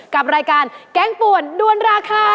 กับรายการแกงป่วนด้วนราคา